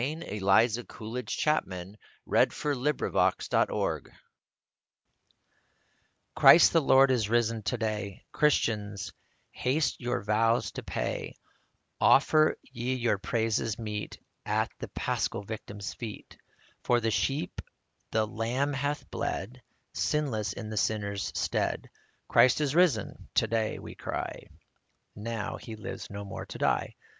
60 " I am fje tljat libetfj anti foas ^leatl/ , Christ the Lord is risen to day, Christians, haste your vows to pay : Offer ye your praises meet At the Paschal Victim's feet. For the sheep the Lamb hath bled, Sinless in the sinner's stead \ "Christ is risen," to day we cry; Now he lives no more to die.